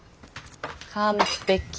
完璧。